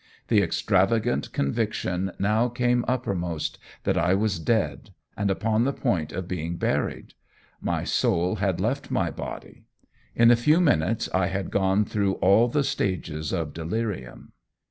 The extravagant conviction now came uppermost that I was dead, and upon the point of being buried; my soul had left my body. In a few minutes I had gone through all the stages of delirium."